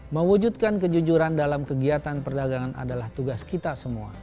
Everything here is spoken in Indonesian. mewujudkan kejujuran dalam kegiatan perdagangan adalah tugas kita semua